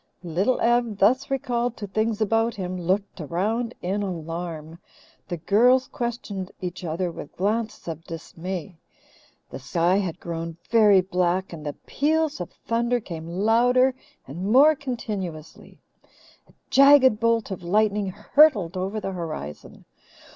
Little Ev, thus recalled to things about him, looked around in alarm. The girls questioned each other with glances of dismay. The sky had grown very black, and the peals of thunder came louder and more continuously. A jagged bolt of lightning hurtled over the horizon.